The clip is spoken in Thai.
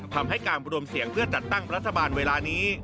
ทำให้การรวมเสียงเพื่อจัดตั้งรัฐบาลเวลานี้